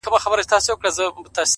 اوس هغه بل كور كي اوسيږي كنه ـ